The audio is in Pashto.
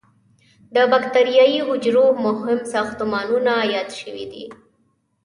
د بکټریايي حجرو مهم ساختمانونه یاد شوي دي.